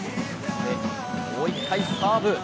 もう一回サーブ。